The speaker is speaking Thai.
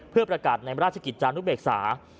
เพื่อประกาศในราชกิจจานุเบกษา